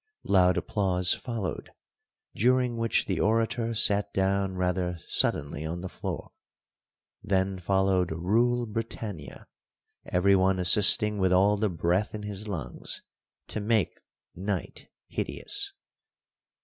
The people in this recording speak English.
Loud applause followed, during which the orator sat down rather suddenly on the floor. Then followed "Rule Britannia," everyone assisting with all the breath in his lungs to make night hideous.